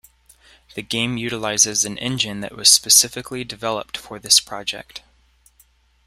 The game utilizes an engine that was specifically developed for this project.